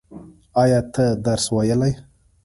ایا ته درس ویلی؟